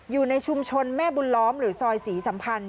อยู่ในชุมชนแม่บุญล้อมหรือซอยศรีสัมพันธ